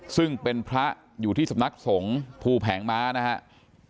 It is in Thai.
ซึ่งเป็นพระอยู่ที่สำนักสงฆ์ภูแผงม้านะครับ